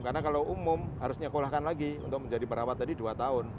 karena kalau umum harusnya kulahkan lagi untuk menjadi perawat tadi dua tahun